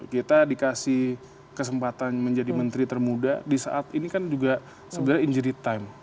kita dikasih kesempatan menjadi menteri termuda di saat ini kan juga sebenarnya injury time